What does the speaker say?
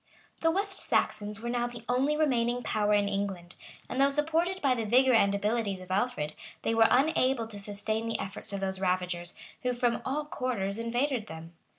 The West Saxons were now the only remaining power in England; and though supported by the vigor and abilities of Alfred, they were unable to sustain the efforts of those ravagers, who from all quarters invaded them.